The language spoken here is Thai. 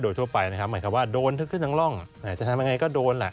โดยทั่วไปนะครับหมายความว่าโดนทึกขึ้นทั้งร่องจะทำยังไงก็โดนแหละ